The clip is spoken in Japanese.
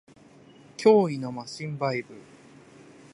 脅威のマシンバイブ